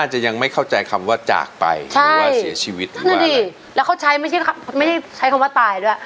จากไปใช่หรือว่าเสียชีวิตใช่นั่นดิแล้วเขาใช้ไม่ใช่คำไม่ใช่คำว่าตายด้วย